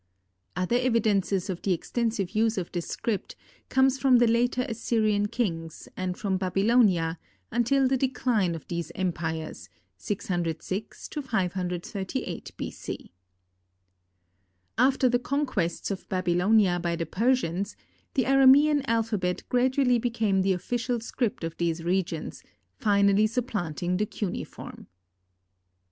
Other evidences of the extensive use of this script comes from the later Assyrian kings, and from Babylonia, until the decline of these empires, 606 to 538 B. C. After the conquests of Babylonia by the Persians, the Aramean alphabet gradually became the official script of these regions, finally supplanting the cuneiform.